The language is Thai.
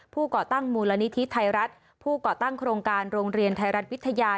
ก่อตั้งมูลนิธิไทยรัฐผู้ก่อตั้งโครงการโรงเรียนไทยรัฐวิทยา